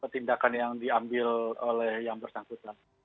tindakan yang diambil oleh yang bersangkutan